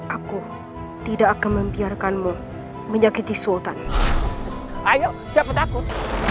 aku tidak akan membiarkanmu menyakiti sultan ayo siapa takut